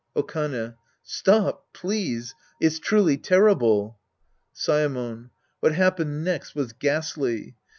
Okane. Stop, please. It's truly terrible. Saemon. What happened next was ghastly.